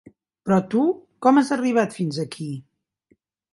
Però tu com has arribat fins aquí?